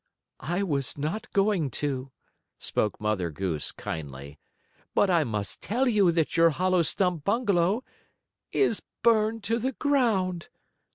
"I was not going to," spoke Mother Goose, kindly. "But I must tell you that your hollow stump bungalow is burned to the ground.